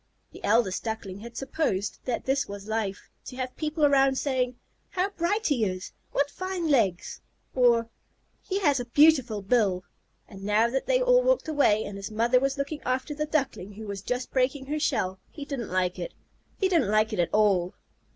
The eldest Duckling had supposed that this was life, to have people around saying, "How bright he is!" "What fine legs!" or "He has a beautiful bill!" And now that they all walked away and his mother was looking after the Duckling who was just breaking her shell, he didn't like it he didn't like it at all.